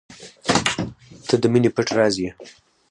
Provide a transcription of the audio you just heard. • ته د مینې پټ راز یې.